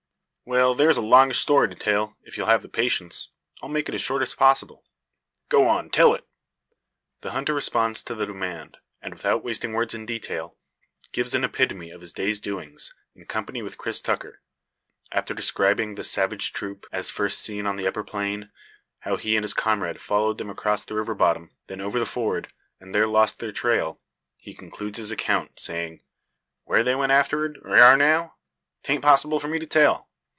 "Well, there's a longish story to tell. If you'll have patience, I'll make it short as possible." "Go on! tell it!" The hunter responds to the demand; and without wasting words in detail, gives an epitome of his day's doings, in company with Cris Tucker. After describing the savage troop, as first seen on the upper plain, how he and his comrade followed them across the river bottom, then over the ford, and there lost their trail, he concludes his account, saying: "Where they went afterward, or air now, 'taint possible for me to tell.